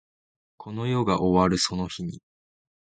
この世が終わるその日に